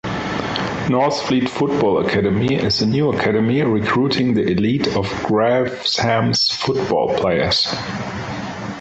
Northfleet Football Academy is a new Academy recruiting the elite of Graveshams football players.